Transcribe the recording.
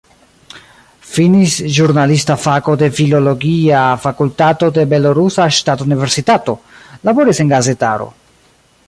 Finis ĵurnalista fako de filologia fakultato de Belorusa Ŝtata Universitato, laboris en gazetaro.